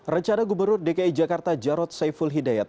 rencana gubernur dki jakarta jarod saiful hidayat